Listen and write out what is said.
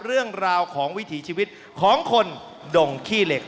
เรื่องราวของวิถีชีวิตของคนดงขี้เหล็ก